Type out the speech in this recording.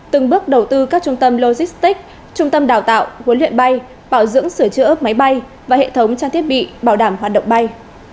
từng bước đầu tư các trung tâm logistics trung tâm đào tạo huấn luyện bay bảo dưỡng sửa chữa máy bay và hệ thống trang thiết bị bảo đảm hoạt động bay